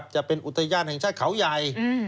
จะเป็นอุทยานแห่งชาติเขาใหญ่